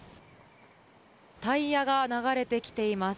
タイヤが流れてきています。